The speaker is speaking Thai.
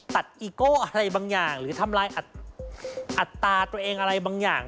อีโก้อะไรบางอย่างหรือทำลายอัตราตัวเองอะไรบางอย่าง